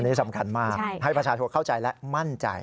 อันนี้สำคัญมากให้ประชาชนเข้าใจและมั่นใจ